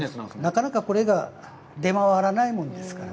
なかなかこれが出回らないものですから。